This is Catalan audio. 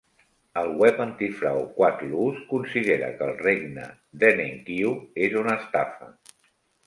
El web antifrau Quatloos considera que el Regne d'EnenKio és una estafa.